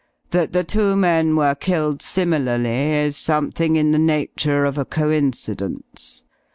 That the two men were killed similarly is something in the nature of a coincidence.